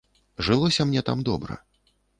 Жылося мне там добра.